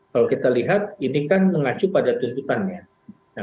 kalau kita lihat ini kan mengacu pada tuntutannya